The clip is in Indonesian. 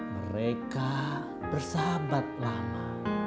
mereka bersahabat lama